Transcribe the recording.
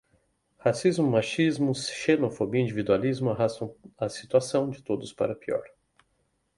Racismo, machismo, xenofobia, individualismo, arrastam a situação de todos para pior